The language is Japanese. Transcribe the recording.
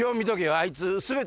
あいつ。